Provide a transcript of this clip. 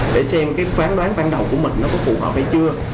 để xem phán đoán ban đầu của mình có phù hợp hay chưa